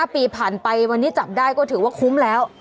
๕ปีผ่านไปวันนี้จับได้ก็ถือว่าคุ้มแล้ว